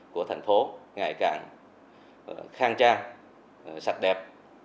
của thành phố ngày càng khang trang sạch đẹp